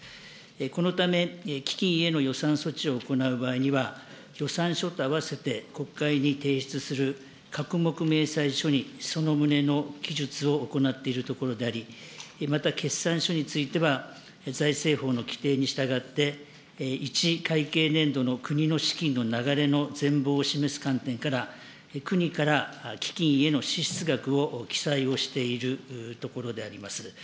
このため基金への予算措置を行う場合には、予算書と合わせて国会に提出する各目明細書にその旨の記述を行っているところであり、また決算書については財政法の規定に従って、１会計年度の国の資金の流れの全貌を示す観点から、国から基金への支出額を記載をしているところであります。